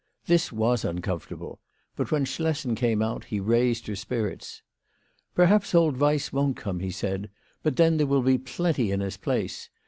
This was uncomfortable; but when Schlessen came out he raised her spirits. "Perhaps old Weiss won't come," he said, "but then there will be plenty in his place.